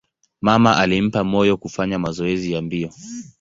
Mama alimpa moyo kufanya mazoezi ya mbio.